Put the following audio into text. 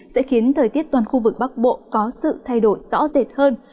sẽ khiến thời tiết toàn khu vực bắc bộ có sự thay đổi rõ rệt hơn